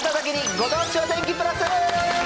ご当地お天気プラス。